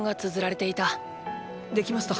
できました。